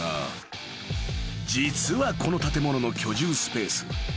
［実はこの建物の居住スペース］